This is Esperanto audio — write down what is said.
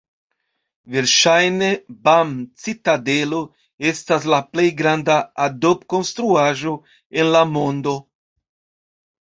Verŝajne Bam-citadelo estas la plej granda adob-konstruaĵo en la mondo.